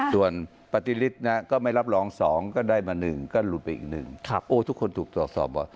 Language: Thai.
ส่วนปฏิฤทธิก็ไม่รับรอง๒ก็ได้มา๑ก็หลุดไปอีก๑โอ้ทุกคนถูกตรวจสอบว่า